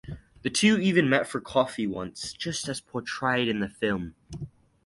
The two even met for coffee once, just as portrayed in the film.